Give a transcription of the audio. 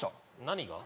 何が？